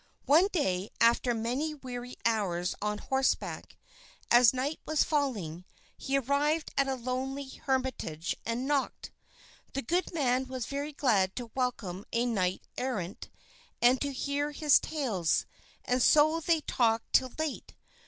One day, after many weary hours on horseback, as night was falling, he arrived at a lonely hermitage and knocked. The good man was very glad to welcome a knight errant and to hear his tales, and so they talked till late.